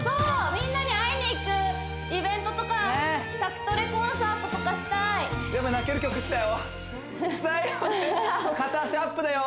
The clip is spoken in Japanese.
みんなに会いに行くイベントとか宅トレコンサートとかしたい泣ける曲来たよ！